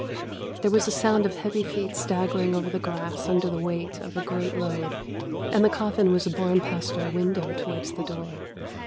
"There was a sound of heavy feet staggering over the grass under the weight of a great load, and the coffin was borne past our window towards the door.